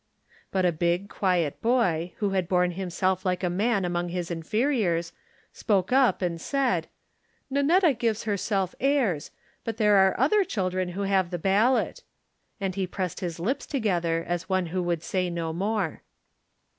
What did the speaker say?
But a big, quiet boy, who had borne him self like a man among his inferiors, spoke up and said, "Nannetta gives herself airs; but there are other children who have the bal lot/* And he pressed his lips together as one who would say no more.